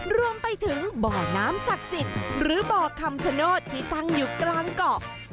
รวมไปถึงบ่อน้ำศักดิ์สิทธิ์หรือบ่อคำชโนธที่ตั้งอยู่กลางเกาะ